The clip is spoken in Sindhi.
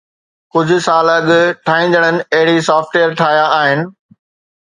ڪجهه سال اڳ، ٺاهيندڙن اهڙي سافٽ ويئر ٺاهيا آهن